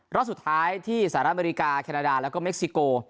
รอบสุดท้ายที่สหรัฐอเมริกาแคนาดาแล้วก็เม็กซิโก